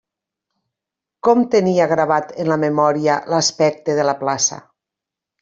Com tenia gravat en la memòria l'aspecte de la plaça!